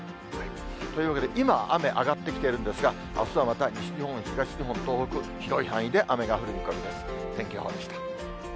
というわけで今、雨、上がってきているんですが、あすはまた西日本、東日本、東北、広い範囲で雨が降る見込みです。